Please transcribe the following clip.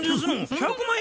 １００万円